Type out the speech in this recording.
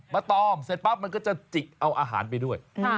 ตอมเสร็จปั๊บมันก็จะจิกเอาอาหารไปด้วย